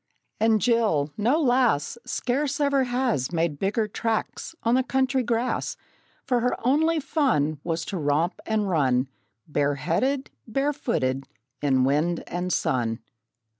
And Jill! no lass Scarce ever has Made bigger tracks on the country grass; For her only fun Was to romp and run, Bare headed, bare footed, in wind and sun.